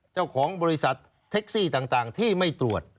เจ้าของบริษัทแท็กซี่ต่างที่ไม่ตรวจ